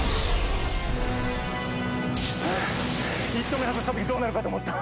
１投目外したときどうなるかと思った。